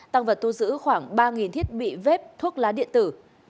tăng vật thu giữ khoảng ba thiết bị vớt thuốc lá điện tử